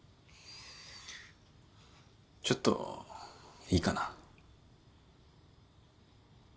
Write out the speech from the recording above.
ちょっといいかな？